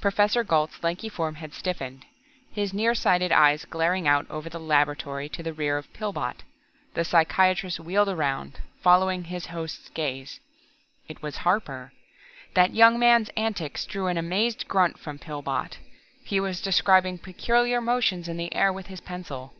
Professor Gault's lanky form had stiffened, his near sighted eyes glaring out over the laboratory to the rear of Pillbot. The psychiatrist wheeled around, followed his host's gaze. It was Harper. That young man's antics drew an amazed grunt from Pillbot. He was describing peculiar motions in the air with his pencil.